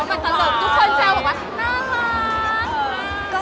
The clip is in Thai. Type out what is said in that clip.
มีคนทุกคนจะแบบว่าน่ารัก